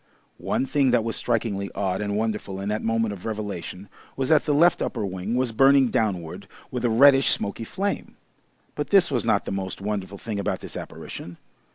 One thing that was strikingly odd and wonderful in that moment of revelation was that the left upper wing was burning downward with a reddish, smoky flame. But this was not the most wonderful thing about this apparition.